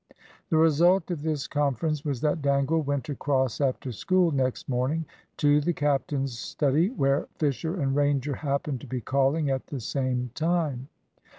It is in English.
The result of this conference was, that Dangle went across after school next morning to the captain's study where Fisher and Ranger happened to be calling at the same time.